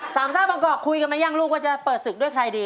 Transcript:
สามซ่าบางเกาะคุยกันไหมยังลูกว่าจะเปิดศึกด้วยใครดี